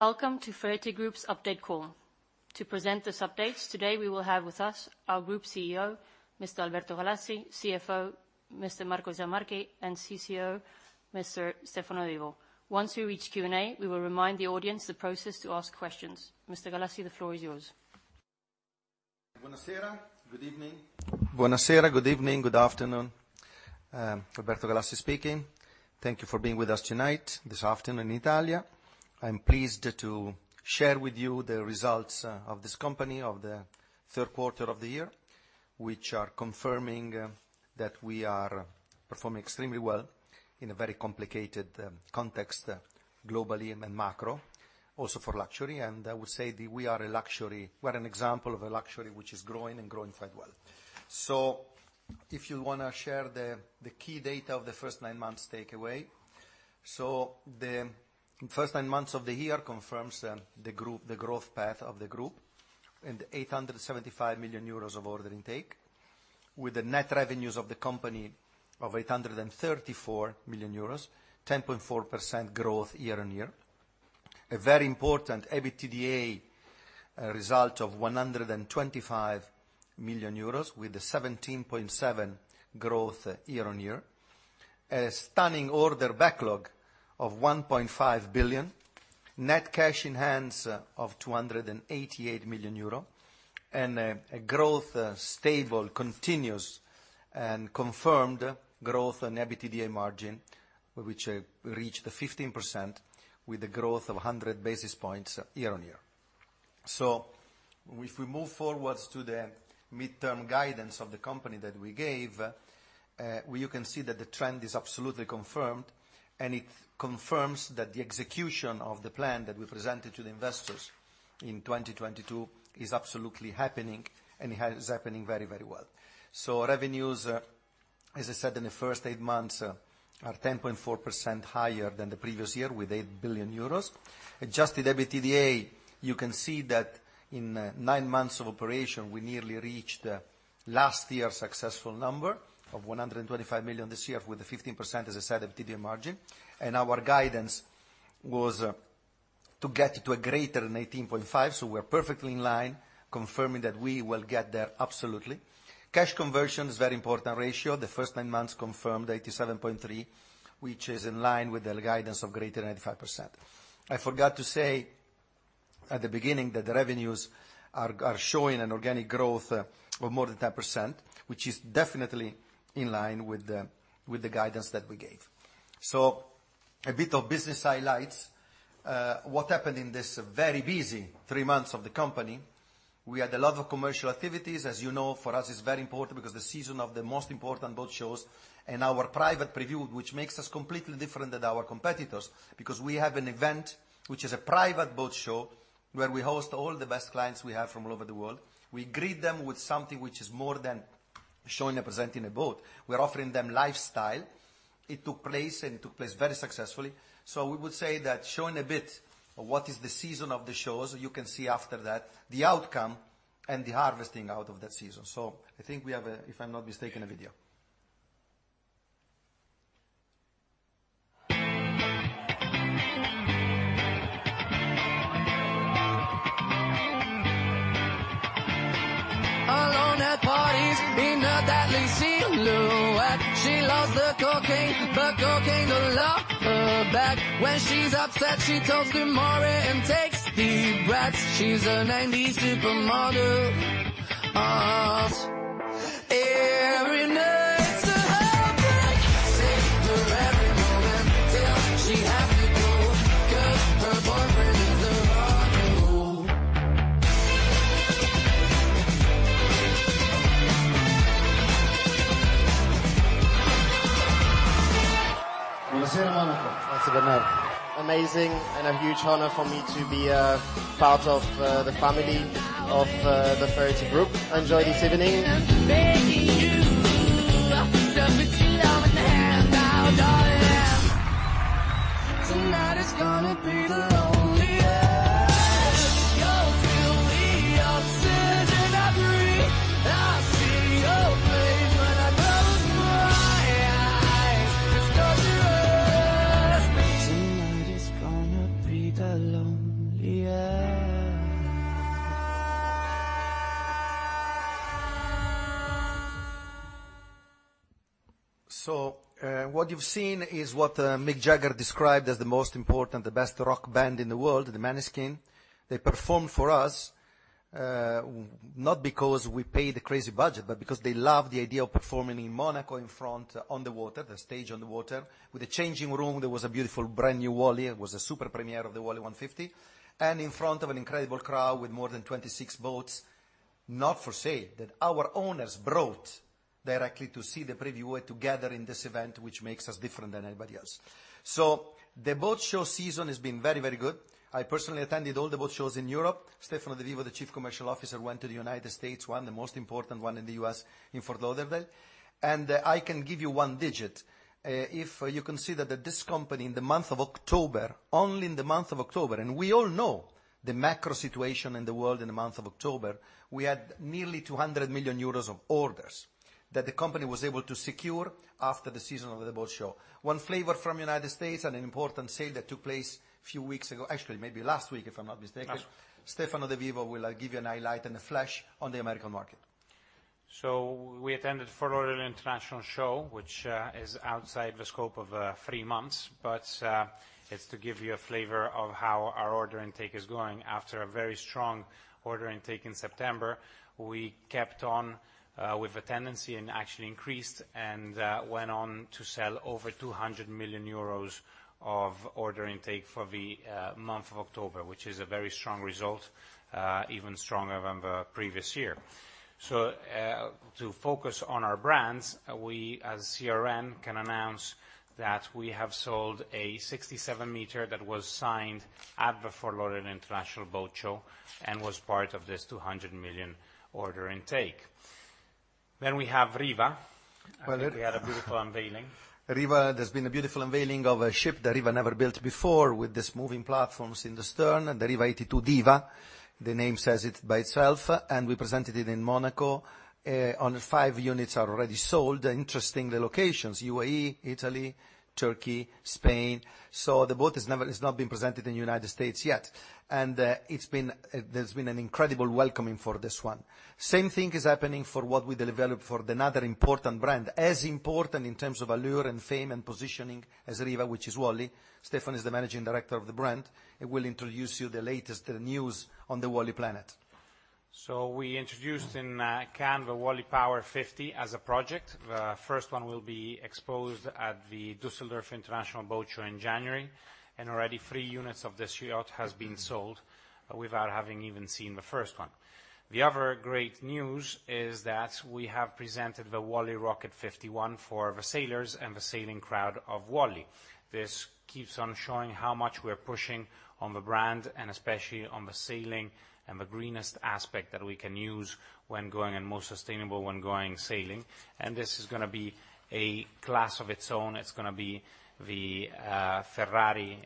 Welcome to Ferretti Group's update call. To present this updates, today we will have with us our Group CEO, Mr. Alberto Galassi, CFO, Mr. Marco Zammarchi, and CCO, Mr. Stefano de Vivo. Once we reach Q&A, we will remind the audience the process to ask questions. Mr. Galassi, the floor is yours. Buonasera. Good evening. Buonasera, good evening, good afternoon. Alberto Galassi speaking. Thank you for being with us tonight, this afternoon in Italia. I'm pleased to share with you the results of this company of the third quarter of the year, which are confirming that we are performing extremely well in a very complicated context globally and in macro, also for luxury. I would say that we are a luxury- we're an example of a luxury which is growing and growing quite well. So if you want to share the key data of the first nine months takeaway, so the first nine months of the year confirms the growth path of the group, and 875 million euros of order intake, with the net revenues of the company of 834 million euros, 10.4% growth year-on-year. A very important EBITDA result of 125 million euros, with a 17.7% growth year-on-year. A stunning order backlog of 1.5 billion, net cash in hands of 288 million euro, and stable, continuous, and confirmed growth on EBITDA margin, which reached 15% with a growth of 100 basis points year-on-year. So if we move forwards to the midterm guidance of the company that we gave, well, you can see that the trend is absolutely confirmed, and it confirms that the execution of the plan that we presented to the investors in 2022 is absolutely happening, and it is happening very, very well. So revenues, as I said, in the first eight months, are 10.4% higher than the previous year, with 8 billion euros. Adjusted EBITDA, you can see that in nine months of operation, we nearly reached last year's successful number of 125 million this year, with a 15%, as I said, EBITDA margin. And our guidance was to get to a greater than 18.5, so we're perfectly in line, confirming that we will get there absolutely. Cash conversion is very important ratio. The first nine months confirmed 87.3%, which is in line with the guidance of greater than 95%. I forgot to say at the beginning that the revenues are showing an organic growth of more than 10%, which is definitely in line with the guidance that we gave. So a bit of business highlights. What happened in this very busy three months of the company, we had a lot of commercial activities. As you know, for us, it's very important because the season of the most important boat shows and our private preview, which makes us completely different than our competitors, because we have an event which is a private boat show, where we host all the best clients we have from all over the world. We greet them with something which is more than showing and presenting a boat. We're offering them lifestyle. It took place, and it took place very successfully. So we would say that, showing a bit of what is the season of the shows, you can see after that the outcome and the harvesting out of that season. So I think we have a, if I'm not mistaken, a video. Buonasera, Monaco. Good night. Amazing and a huge honor for me to be part of the family of the Ferretti Group. Enjoy this evening. So, what you've seen is what, Mick Jagger described as the most important, the best rock band in the world, the Måneskin. They performed for us, not because we paid a crazy budget, but because they love the idea of performing in Monaco, in front, on the water, the stage on the water, with a changing room. There was a beautiful, brand-new Wally. It was a super premiere of the Wally 150, and in front of an incredible crowd with more than 26 boats, not for sale, that our owners brought directly to see the preview and to gather in this event, which makes us different than anybody else. So the boat show season has been very, very good. I personally attended all the boat shows in Europe. Stefano de Vivo, the Chief Commercial Officer, went to the United States, one, the most important one in the U.S., in Fort Lauderdale. I can give you one digit. If you can see that, that this company, in the month of October, only in the month of October, and we all know the macro situation in the world in the month of October, we had nearly 200 million euros of orders that the company was able to secure after the seasonal of the boat show. One flavor from United States and an important sale that took place a few weeks ago, actually, maybe last week, if I'm not mistaken. Last. Stefano de Vivo will give you a highlight and a flash on the American market. So we attended Fort Lauderdale International Boat Show, which is outside the scope of three months, but it's to give you a flavor of how our order intake is going. After a very strong order intake in September, we kept on with the tendency and actually increased and went on to sell over 200 million euros of order intake for the month of October, which is a very strong result, even stronger than the previous year. So to focus on our brands, we, as CRN, can announce that we have sold a 67-meter that was signed at the Fort Lauderdale International Boat Show, and was part of this 200 million order intake. Then we have Riva. Well, it- We had a beautiful unveiling. Riva, there's been a beautiful unveiling of a ship that Riva never built before, with this moving platforms in the stern, the Riva 82 Diva. The name says it by itself, and we presented it in Monaco. Only five units are already sold. Interestingly locations, U.A.E., Italy, Turkey, Spain, so the boat has never... It's not been presented in United States yet, and, it's been, there's been an incredible welcoming for this one. Same thing is happening for what we developed for another important brand, as important in terms of allure and fame and positioning as Riva, which is Wally. Stefano is the managing director of the brand, and will introduce you the latest news on the Wally planet. So we introduced in Cannes the wallypower50 as a project. The first one will be exposed at the Düsseldorf International Boat Show in January, and already three units of this yacht has been sold without having even seen the first one. The other great news is that we have presented the wallyrocket51 for the sailors and the sailing crowd of Wally. This keeps on showing how much we're pushing on the brand, and especially on the sailing and the greenest aspect that we can use when going, and most sustainable when going sailing. And this is gonna be a class of its own. It's gonna be the Ferrari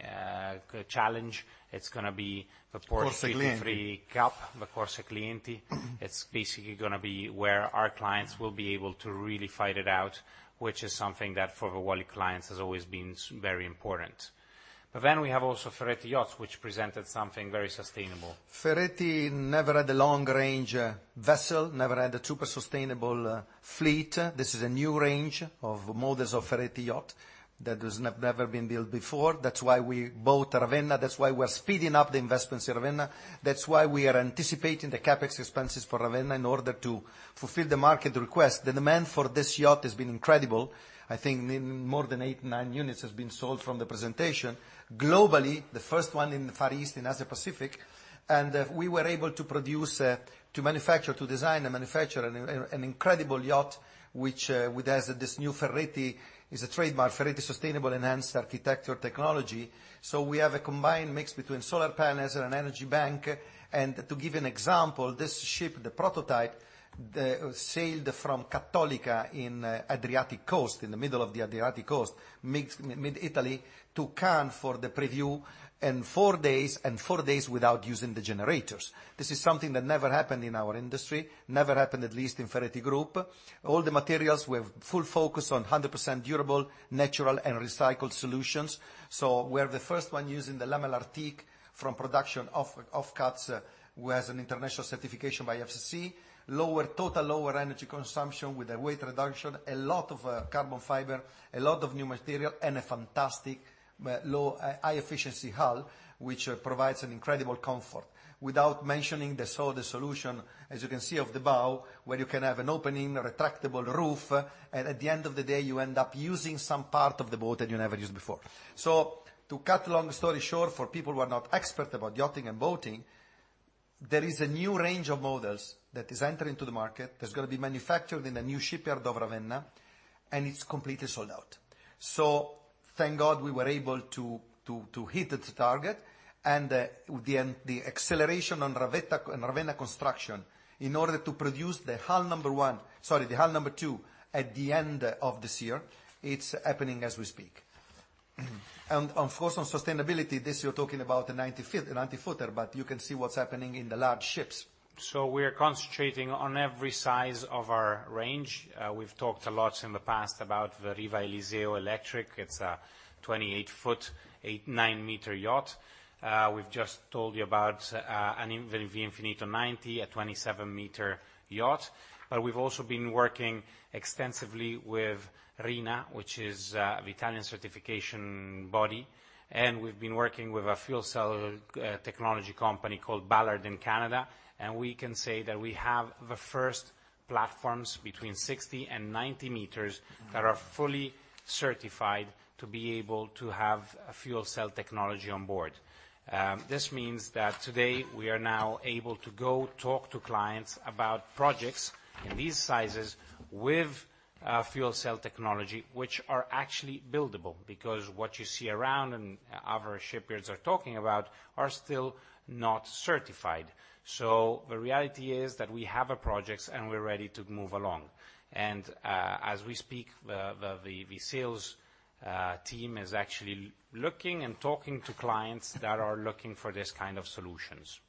Challenge. It's gonna be the- Corse Clienti.... cup, the Corse Clienti. It's basically gonna be where our clients will be able to really fight it out, which is something that, for the Wally clients, has always been very important. But then we have also Ferretti Yachts, which presented something very sustainable. Ferretti never had a long-range vessel, never had a super sustainable fleet. This is a new range of models of Ferretti Yachts that has never been built before. That's why we bought Ravenna. That's why we're speeding up the investments in Ravenna. That's why we are anticipating the CapEx expenses for Ravenna, in order to fulfill the market request. The demand for this yacht has been incredible. I think more than eight, nine units has been sold from the presentation. Globally, the first one in the Far East, in Asia Pacific, and we were able to produce, to manufacture, to design and manufacture an incredible yacht, which with as this new Ferretti, is a trademark, Ferretti Sustainable Enhanced Architecture technology. So we have a combined mix between solar panels and an energy bank, and to give you an example, this ship, the prototype, sailed from Cattolica in Adriatic Coast, in the middle of the Adriatic Coast, mid-Italy, to Cannes for the preview, in four days, and four days without using the generators. This is something that never happened in our industry. Never happened, at least, in Ferretti Group. All the materials, we have full focus on 100% durable, natural, and recycled solutions. So we're the first one using the lamellar teak from production offcuts, who has an international certification by FSC. Lower, total lower energy consumption with a weight reduction, a lot of carbon fiber, a lot of new material, and a fantastic but low... High efficiency hull, which provides an incredible comfort, without mentioning the solar solution, as you can see, of the bow, where you can have an opening, a retractable roof, and at the end of the day, you end up using some part of the boat that you never used before. So to cut long story short, for people who are not expert about yachting and boating, there is a new range of models that is entering into the market, that's gonna be manufactured in the new shipyard of Ravenna, and it's completely sold out. So thank God we were able to hit the target, and the acceleration on Ravenna construction, in order to produce the hull number 1, sorry, the hull number 2, at the end of this year. It's happening as we speak. Of course, on sustainability, this you're talking about the INFYNITO, a 90-footer, but you can see what's happening in the large ships. So we are concentrating on every size of our range. We've talked a lot in the past about the Riva El-Iseo electric. It's a 28-foot, 8-9-meter yacht. We've just told you about the INFYNITO 90, a 27-meter yacht. But we've also been working extensively with RINA, which is the Italian certification body, and we've been working with a fuel cell technology company called Ballard in Canada, and we can say that we have the first platforms between 60 and 90 meters- Mm-hmm.... that are fully certified to be able to have a fuel cell technology on board. This means that today, we are now able to go talk to clients about projects in these sizes with fuel cell technology, which are actually buildable, because what you see around and other shipyards are talking about are still not certified. So the reality is that we have a projects, and we're ready to move along. And as we speak, the sales team is actually looking and talking to clients that are looking for this kind of solutions.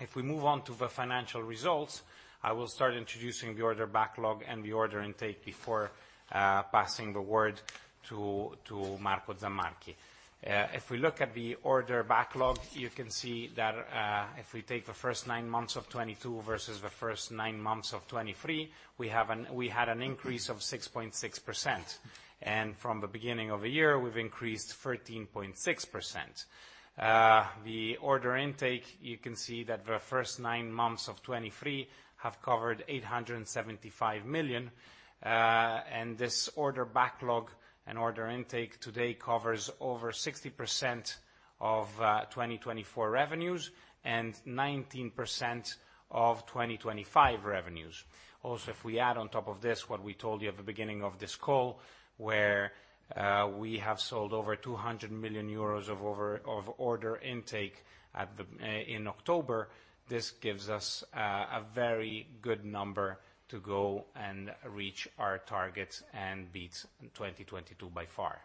If we move on to the financial results, I will start introducing the order backlog and the order intake before passing the word to Marco Zammarchi. If we look at the order backlog, you can see that, if we take the first nine months of 2022 versus the first nine months of 2023, we had an increase of 6.6%. From the beginning of the year, we've increased 13.6%. The order intake, you can see that the first nine months of 2023 have covered 875 million. This order backlog and order intake today covers over 60% of 2024 revenues and 19% of 2025 revenues. Also, if we add on top of this, what we told you at the beginning of this call, where we have sold over 200 million euros of order intake in October, this gives us a very good number to go and reach our targets and beat 2022 by far.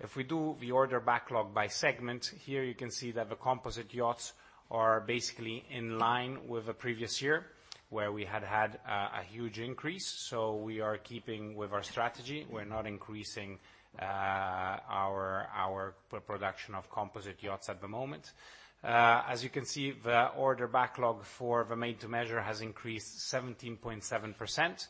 If we do the order backlog by segment, here you can see that the composite yachts are basically in line with the previous year, where we had had a huge increase. So we are keeping with our strategy. We're not increasing our production of composite yachts at the moment. As you can see, the order backlog for the Made-to-measure has increased 17.7%,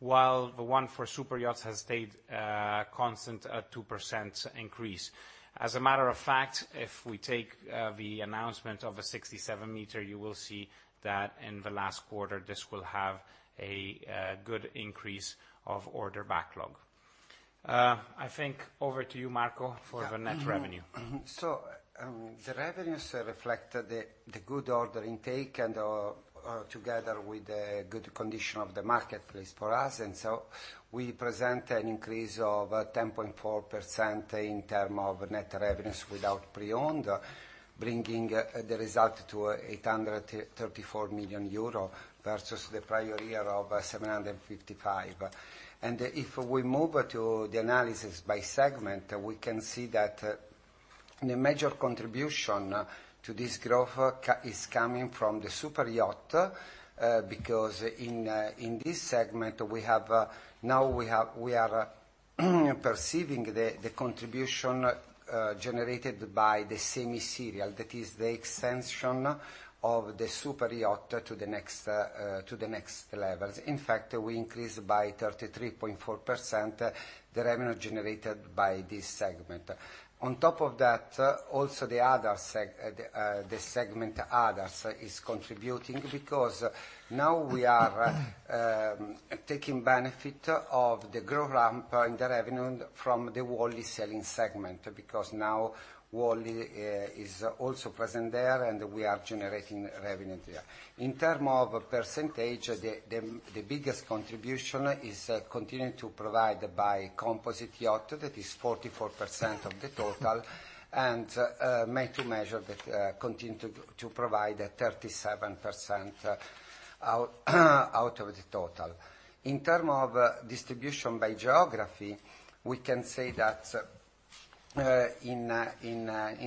while the one for Super yachts has stayed constant at 2% increase. As a matter of fact, if we take the announcement of a 67-meter, you will see that in the last quarter, this will have a good increase of order backlog. I think, over to you, Marco, for the net revenue. Yeah. Mm-hmm. So, the revenues reflect the good order intake and together with the good condition of the marketplace for us. And so we present an increase of 10.4% in terms of net revenues without pre-owned, bringing the result to 834 million euro, versus the prior year of 755 million. And if we move to the analysis by segment, we can see that the major contribution to this growth is coming from the super yacht. Because in this segment, we are perceiving the contribution generated by the semi-serial. That is the extension of the super yacht to the next levels. In fact, we increased by 33.4% the revenue generated by this segment. On top of that, also, the other segment others is contributing. Because now we are taking benefit of the growth ramp in the revenue from the Wally sailing segment. Because now, Wally is also present there, and we are generating revenue there. In term of percentage, the biggest contribution is continuing to provide by composite yacht. That is 44% of the total, and Made-to-measure that continue to provide 37% out of the total. In term of distribution by geography, we can say that in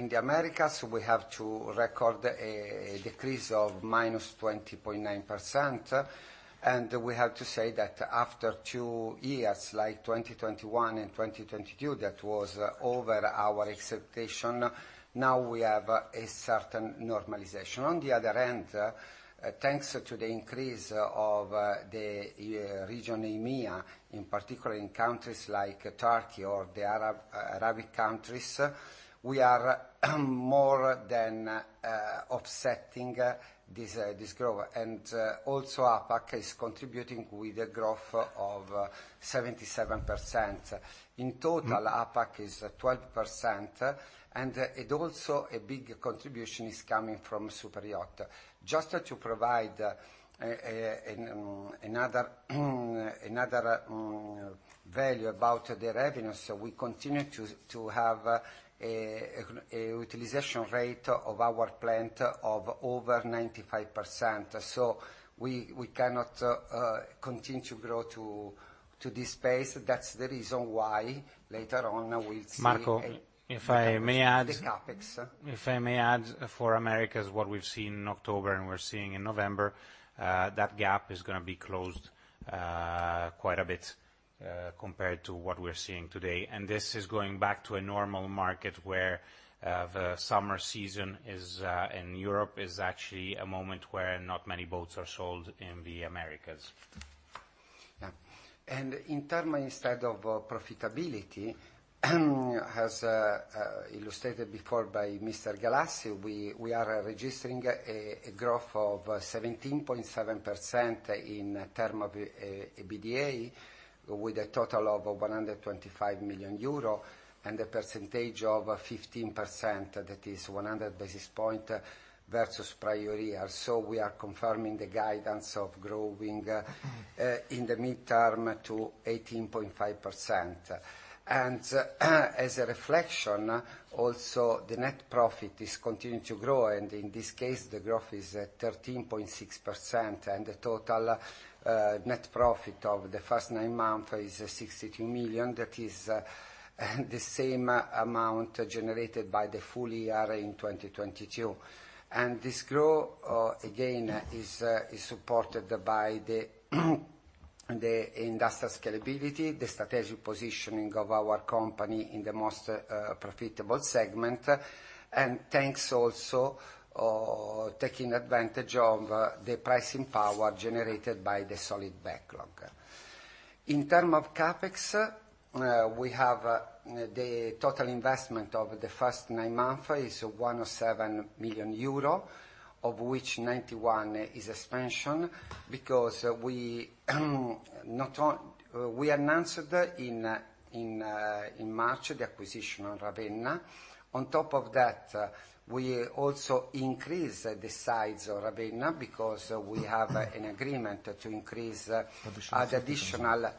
the Americas, we have to record a decrease of -20.9%. And we have to say that after two years, like 2021 and 2022, that was over our expectation, now we have a certain normalization. On the other hand, thanks to the increase of the region EMEA, in particular in countries like Turkey or the Arab Arabic countries, we are more than offsetting this growth. And also APAC is contributing with a growth of 77%. In total, APAC is 12%, and it also a big contribution is coming from super yacht. Just to provide another value about the revenues, we continue to have a utilization rate of our plant of over 95%. So we cannot continue to grow to this space. That's the reason why, later on, we'll see a- Marco, if I may add- The CapEx. If I may add, for Americas, what we've seen in October and we're seeing in November, that gap is gonna be closed quite a bit, compared to what we're seeing today. And this is going back to a normal market, where, the summer season is, in Europe, is actually a moment where not many boats are sold in the Americas. Yeah. And in term, instead of profitability, as illustrated before by Mr. Galassi, we are registering a growth of 17.7% in term of EBITDA, with a total of 125 million euro, and a percentage of 15%. That is 100 basis points versus prior year. So we are confirming the guidance of growing in the midterm to 18.5%. And, as a reflection, also, the net profit is continuing to grow, and in this case, the growth is 13.6%. And the total net profit of the first nine months is 62 million. That is the same amount generated by the full year in 2022. And this growth, again, is supported by the- the industrial scalability, the strategic positioning of our company in the most profitable segment, and thanks also taking advantage of the pricing power generated by the solid backlog. In terms of CapEx, we have the total investment of the first nine months is 17 million euro, of which 9.1 is expansion. Because we announced that in March, the acquisition of Ravenna. On top of that, we also increased the size of Ravenna because we have an agreement to increase additional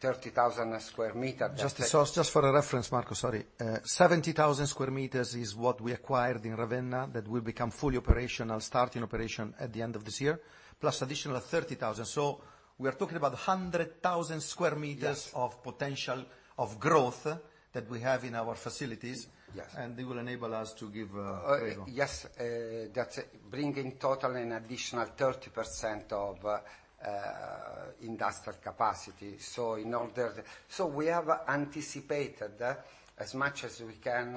30,000 square meters. Just so, just for a reference, Marco, sorry. 70,000 square meters is what we acquired in Ravenna, that will become fully operational, starting operation at the end of this year, plus additional 30,000. So we are talking about 100,000 square meters- Yes. of potential of growth that we have in our facilities. Yes. They will enable us to give great one. Yes, that's bringing total an additional 30% of industrial capacity. So we have anticipated that as much as we can,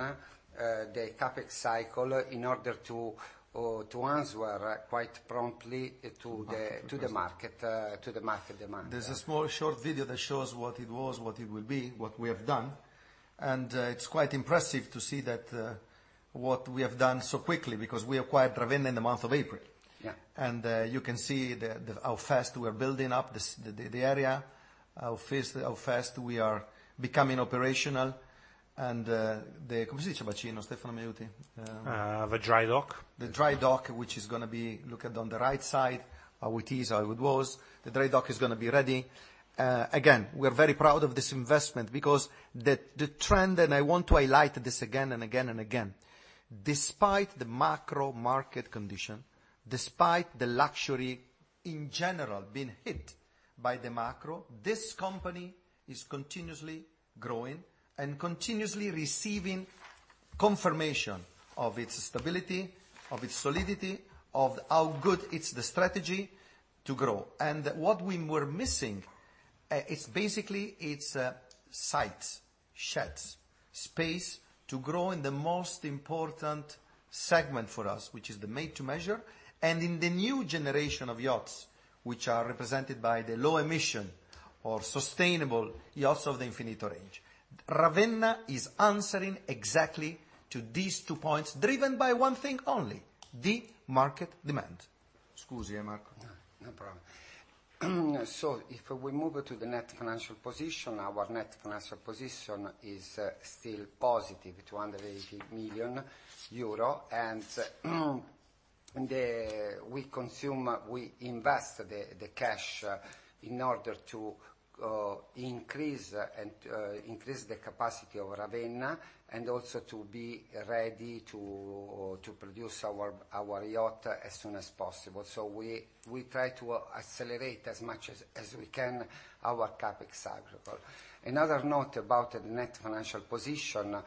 the CapEx cycle in order to answer quite promptly to the market demand. There's a small, short video that shows what it was, what it will be, what we have done, and it's quite impressive to see that what we have done so quickly, because we acquired Ravenna in the month of April. Yeah. You can see how fast we are building up the area, how fast we are becoming operational. And the The dry dock. The dry dock, which is gonna be... Look at on the right side, how it is, how it was. The dry dock is gonna be ready. Again, we're very proud of this investment because the, the trend, and I want to highlight this again, and again, and again: despite the macro market condition, despite the luxury in general being hit by the macro, this company is continuously growing and continuously receiving confirmation of its stability, of its solidity, of how good it's the strategy to grow. What we were missing, it's basically its, sites, sheds, space to grow in the most important segment for us, which is the Made-to-measure. In the new generation of yachts, which are represented by the low emission or sustainable yachts of the INFYNITO range, Ravenna is answering exactly to these two points, driven by one thing only, the market demand. Scusi, Marco. No, no problem. So if we move to the net financial position, our net financial position is still positive, EUR 280 million. And, the... We consume, we invest the, the cash in order to increase, and increase the capacity of Ravenna, and also to be ready to produce our yacht as soon as possible. So we try to accelerate as much as we can, our CapEx cycle. Another note about the net financial position,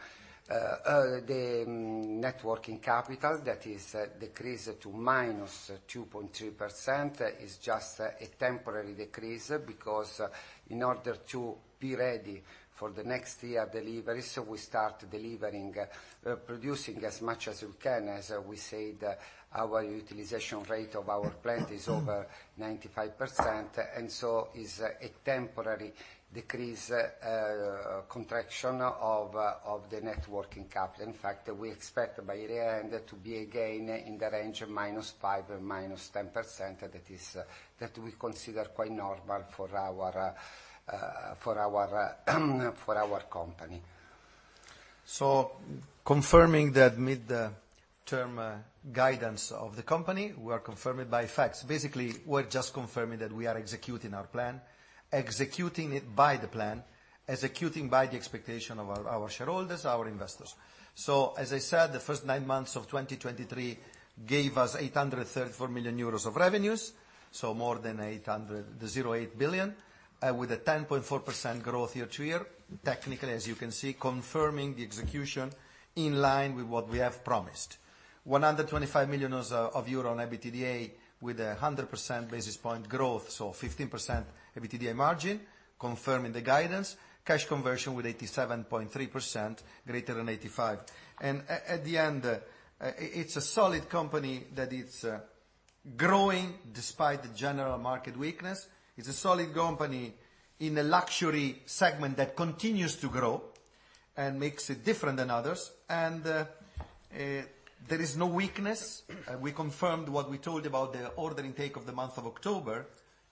the net working capital, that is decreased to -2.2%, is just a temporary decrease, because in order to be ready for the next year deliveries, we start delivering, producing as much as we can. As we said, our utilization rate of our plant is over 95%, and so is a temporary decrease, contraction of the net working capital. In fact, we expect by the end, to be, again, in the range of -5% and -10%. That is, that we consider quite normal for our company. So confirming that mid-term guidance of the company, we are confirmed by facts. Basically, we're just confirming that we are executing our plan, executing it by the plan, executing by the expectation of our, our shareholders, our investors. So, as I said, the first nine months of 2023 gave us 834 million euros of revenues, so more than 800 million-0.8 billion, with a 10.4% growth year-over-year. Technically, as you can see, confirming the execution in line with what we have promised. 125 million of euro on EBITDA, with a 100 basis point growth, so 15% EBITDA margin, confirming the guidance. Cash conversion with 87.3%, greater than 85%. At the end, it's a solid company that is growing despite the general market weakness. It's a solid company in a luxury segment that continues to grow and makes it different than others, and there is no weakness. We confirmed what we told about the order intake of the month of October,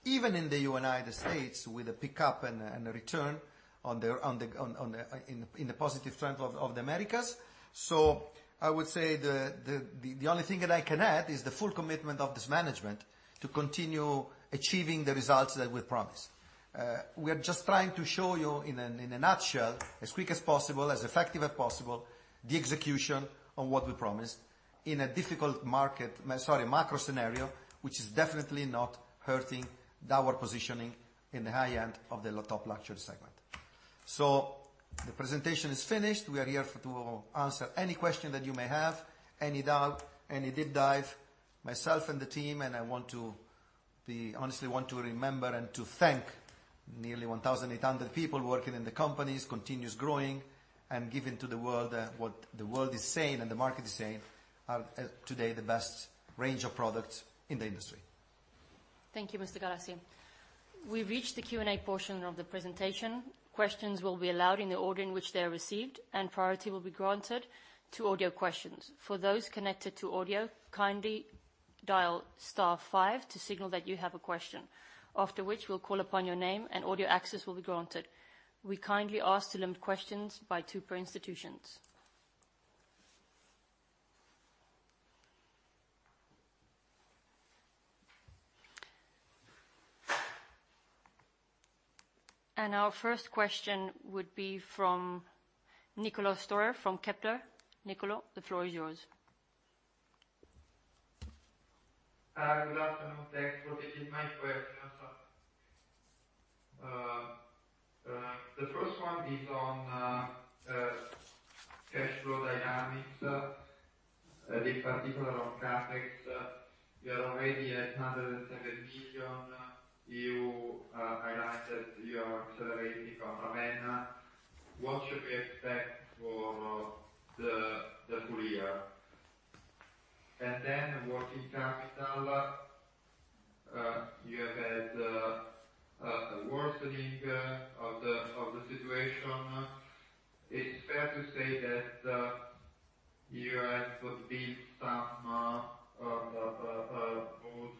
even in the United States, with a pickup and a return in the positive trend of the Americas. So I would say the only thing that I can add is the full commitment of this management to continue achieving the results that we promised. We are just trying to show you in a nutshell, as quick as possible, as effective as possible, the execution of what we promised in a difficult market, sorry, macro scenario, which is definitely not hurting our positioning in the high end of the top luxury segment. So the presentation is finished. We are here for to answer any question that you may have, any doubt, any deep dive, myself and the team, and I want to be honestly want to remember and to thank nearly 1,800 people working in the companies, continuous growing and giving to the world, what the world is saying and the market is saying, are, today, the best range of products in the industry. Thank you, Mr. Galassi. We've reached the Q&A portion of the presentation. Questions will be allowed in the order in which they are received, and priority will be granted to audio questions. For those connected to audio, kindly dial star five to signal that you have a question, after which we'll call upon your name and audio access will be granted. We kindly ask to limit questions by two per institutions. Our first question would be from Niccolò Storer from Kepler. Niccolò, the floor is yours. Good afternoon. Thanks for taking my question. The first one is on cash flow dynamics, in particular on CapEx. You are already at 107 million. You highlighted you are accelerating on Ravenna. What should we expect for the full year? And then working capital, you have had a worsening of the situation. It's fair to say that you have to build some mode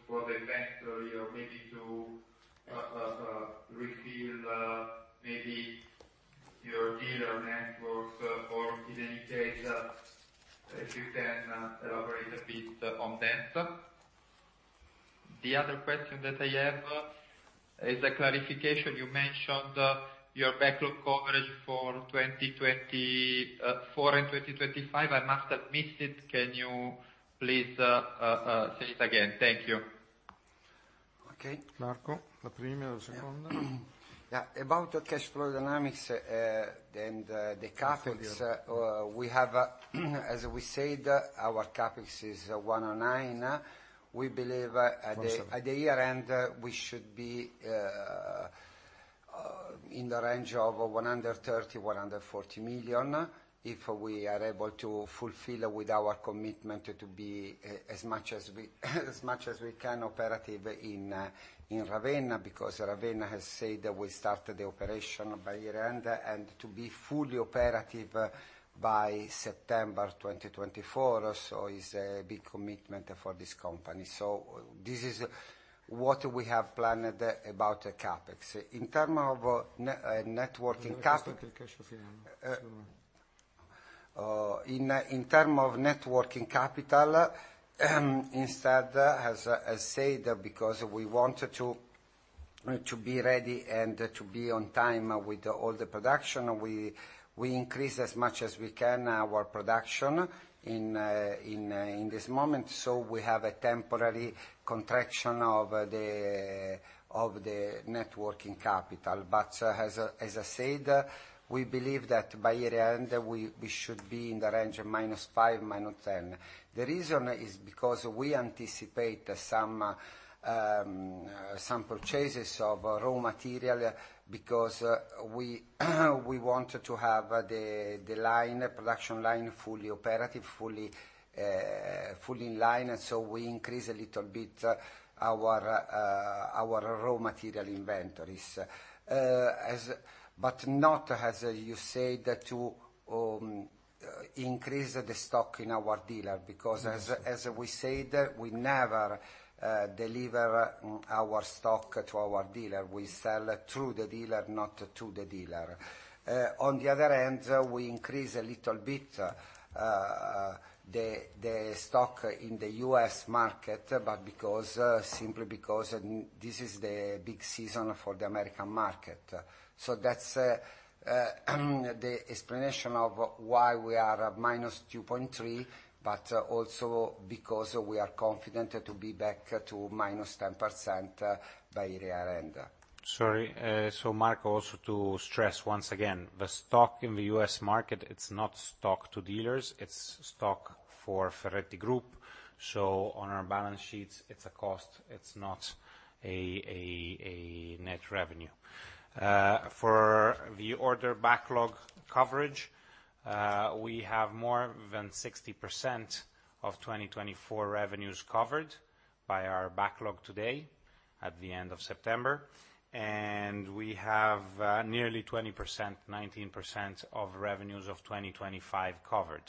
for the bank or you're maybe to refill maybe your dealer networks, or in any case, if you can elaborate a bit on that. The other question that I have is a clarification. You mentioned your backlog coverage for 2024 and 2025. I must have missed it. Can you please say it again? Thank you. Okay. Marco, the premier second. Yeah, about the cash flow dynamics and the CapEx- [继 续] We have, as we said, our CapEx is 109 million. We believe at the- Awesome.... at the year end, we should be in the range of 130 million-140 million, if we are able to fulfill with our commitment to be as much as we can operative in Ravenna, because Ravenna has said that we started the operation by year-end, and to be fully operative by September 2024. So it's a big commitment for this company. So this is what we have planned about the CapEx. In terms of net working capital-... In terms of net working capital, instead, as I said, because we wanted to be ready and to be on time with all the production, we increase as much as we can our production in this moment, so we have a temporary contraction of the net working capital. But as I said, we believe that by year-end, we should be in the range of -5% to -10%. The reason is because we anticipate some purchases of raw material, because we want to have the production line fully operative, fully online, so we increase a little bit our raw material inventories. But not, as you said, to increase the stock in our dealer, because as, Mm. As we said, we never deliver our stock to our dealer. We sell through the dealer, not to the dealer. On the other hand, we increase a little bit the stock in the U.S. market, but because simply because this is the big season for the American market. So that's the explanation of why we are at -2.3%, but also because we are confident to be back to -10% by year-end. Sorry. So Marco, also to stress once again, the stock in the U.S. market, it's not stock to dealers, it's stock for Ferretti Group. So on our balance sheets, it's a cost, it's not a net revenue. For the order backlog coverage, we have more than 60% of 2024 revenues covered by our backlog today, at the end of September, and we have nearly 20%, 19% of revenues of 2025 covered.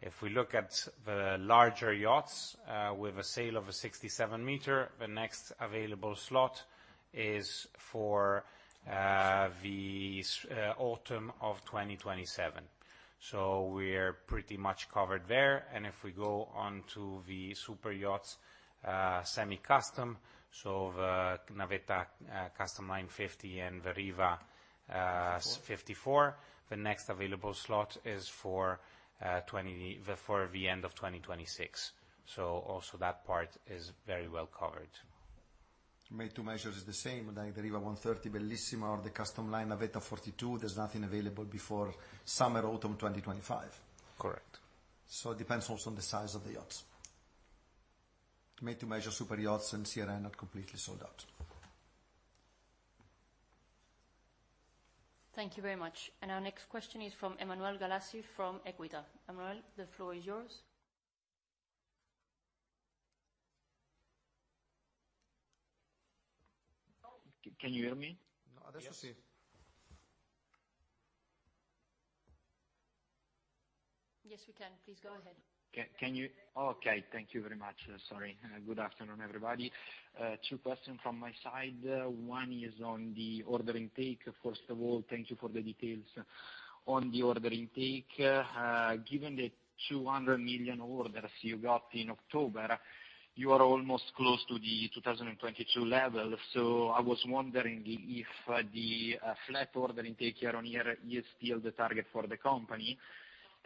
If we look at the larger yachts, with a sale of a 67-meter, the next available slot is for the autumn of 2027. So we're pretty much covered there. And if we go on to the super yachts, semi-custom, so the Navetta, Custom Line 50 and the Riva, 54-meter.... 54-meter, the next available slot is for 20—for the end of 2026. So also that part is very well covered. ... Made-to-measure is the same, like the Riva 130 Bellissima or the Custom Line Navetta 42, there's nothing available before summer, autumn 2025? Correct. So it depends also on the size of Made-to-measure super yachts and CRN are completely sold out. Thank you very much. Our next question is from Emanuele Gallazzi from EQUITA. Emanuele, the floor is yours. Can you hear me? No, let's see. Yes. Yes, we can. Please go ahead. Okay, thank you very much. Sorry, and good afternoon, everybody. Two questions from my side. One is on the order intake. First of all, thank you for the details on the order intake. Given the 200 million orders you got in October, you are almost close to the 2022 level. So I was wondering if the flat order intake year-on-year is still the target for the company.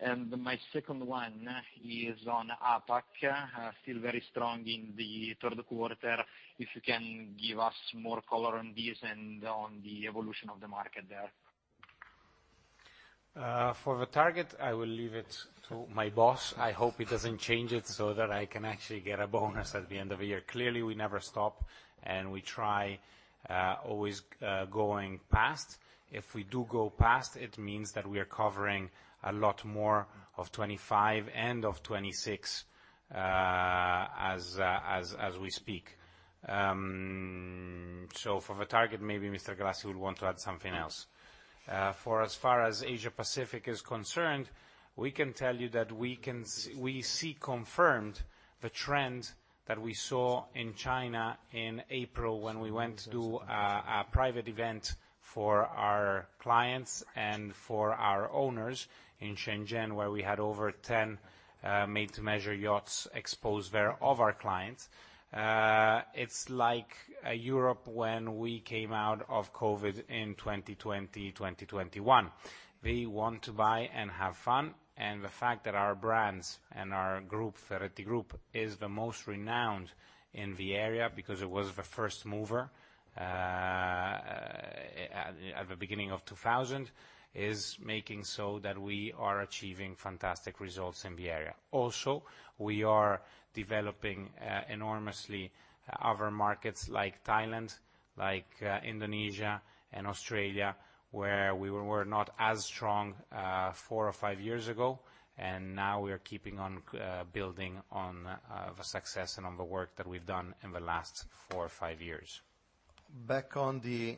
And my second one is on APAC, still very strong in the third quarter. If you can give us more color on this and on the evolution of the market there. For the target, I will leave it to my boss. I hope he doesn't change it so that I can actually get a bonus at the end of the year. Clearly, we never stop, and we try always going past. If we do go past, it means that we are covering a lot more of 2025 and of 2026 as we speak. So for the target, maybe Mr. Galassi would want to add something else. For as far as Asia Pacific is concerned, we can tell you that we see confirmed the trend that we saw in China in April when we went to a private event for our clients and for our owners in Shenzhen, where we had over 10 Made-to-measure yachts exposed there of our clients. It's like Europe when we came out of COVID in 2020, 2021. They want to buy and have fun, and the fact that our brands and our group, Ferretti Group, is the most renowned in the area because it was the first mover at the beginning of 2000 is making so that we are achieving fantastic results in the area. Also, we are developing enormously other markets like Thailand, like Indonesia and Australia, where we were not as strong four or five years ago, and now we are keeping on building on the success and on the work that we've done in the last four or five years. Back on the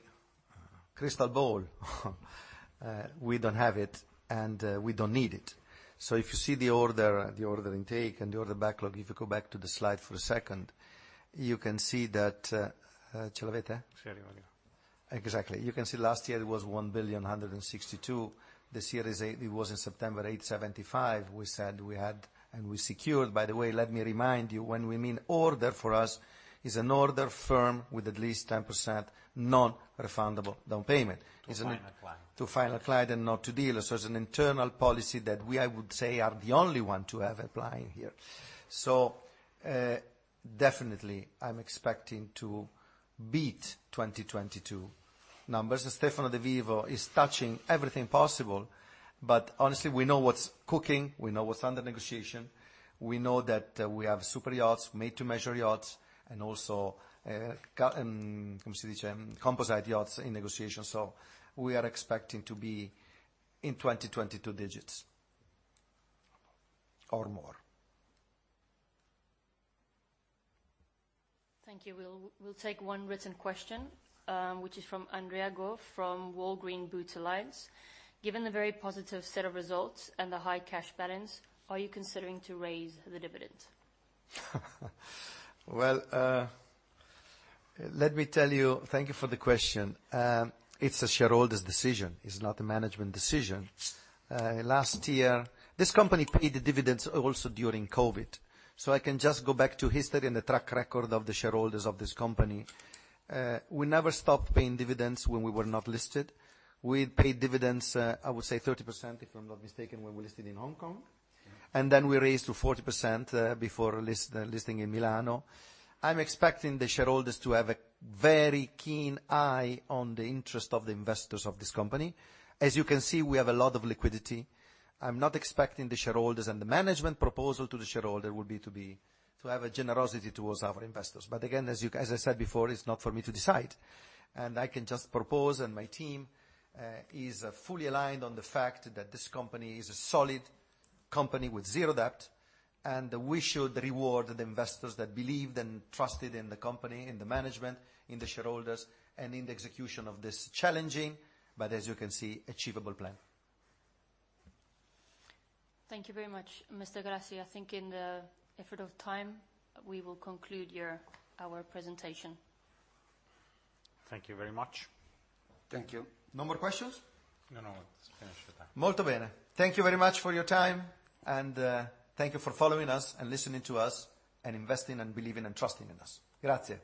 crystal ball, we don't have it, and we don't need it. So if you see the order intake and the order backlog, if you go back to the slide for a second, you can see that,... Exactly. You can see last year it was 1,162 million. This year it was in September, 875 million. We said we had and we secured... By the way, let me remind you, when we mean order, for us, is a firm order with at least 10% non-refundable down payment. To final client. To final client and not to dealer. So it's an internal policy that we, I would say, are the only one to have applying here. So, definitely, I'm expecting to beat 2022 numbers. Stefano de Vivo is touching everything possible, but honestly, we know what's cooking, we know what's under negotiation, we know that, we have super yachts, made-to-measure yachts, and also, composite yachts in negotiation. So we are expecting to be in 2022 digits or more. Thank you. We'll take one written question, which is from Andrea Gough from Walgreens Boots Alliance. Given the very positive set of results and the high cash balance, are you considering to raise the dividend? Well, let me tell you... Thank you for the question. It's a shareholders' decision. It's not a management decision. Last year, this company paid the dividends also during COVID, so I can just go back to history and the track record of the shareholders of this company. We never stopped paying dividends when we were not listed. We paid dividends, I would say 30%, if I'm not mistaken, when we listed in Hong Kong, and then we raised to 40%, before listing in Milano. I'm expecting the shareholders to have a very keen eye on the interest of the investors of this company. As you can see, we have a lot of liquidity. I'm not expecting the shareholders, and the management proposal to the shareholder will be to be, to have a generosity towards our investors. But again, as I said before, it's not for me to decide, and I can just propose, and my team is fully aligned on the fact that this company is a solid company with zero debt, and we should reward the investors that believed and trusted in the company, in the management, in the shareholders, and in the execution of this challenging, but as you can see, achievable plan. Thank you very much, Mr. Galassi. I think in the interest of time, we will conclude our presentation. Thank you very much. Thank you. No more questions? No, no, it's finished with that. Thank you very much for your time, and, thank you for following us and listening to us, and investing, and believing, and trusting in us. Grazie!